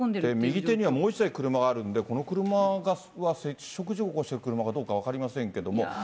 右手にはもう１台車あるんで、この車が接触事故を起こした車かどうか分かりませんけども。